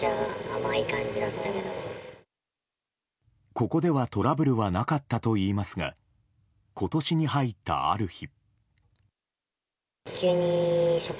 ここではトラブルはなかったといいますが今年に入った、ある日。